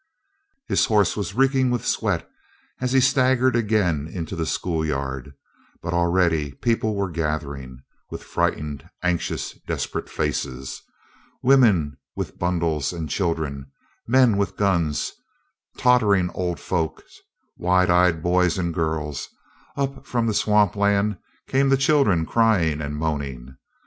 His horse was reeking with sweat as he staggered again into the school yard; but already the people were gathering, with frightened, anxious, desperate faces. Women with bundles and children, men with guns, tottering old folks, wide eyed boys and girls. Up from the swamp land came the children crying and moaning.